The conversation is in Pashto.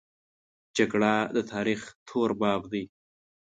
جګړه د تاریخ تور باب دی